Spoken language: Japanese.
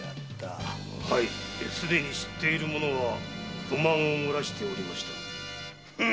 すでに知っている者は不満をもらしておりました。